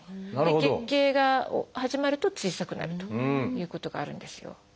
月経が始まると小さくなるということがあるんですよ。